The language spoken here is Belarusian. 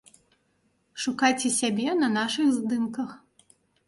Шукайце сябе на нашых здымках!